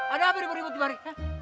ada apa ibu rimut jumari